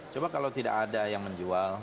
coba kalau tidak ada yang menjual